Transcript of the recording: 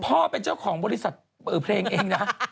พ่อเป็นเจ้าของบริษัทเพลงเองนะ